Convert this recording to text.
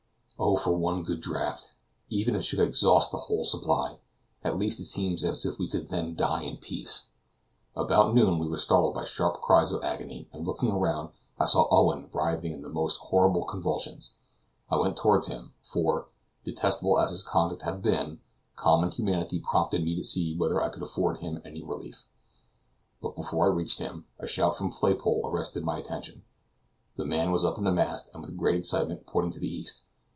Oh for one good draught, even if it should exhaust the whole supply! At least, it seems as if we then could die in peace! About noon we were startled by sharp cries of agony, and looking round, I saw Owen writhing in the most horrible convulsions. I went toward him, for, detestable as his conduct had been, common humanity prompted me to see whether I could afford him any relief. But before I reached him, a shout from Flaypole arrested my attention. The man was up in the mast, and with great excitement pointing to the east.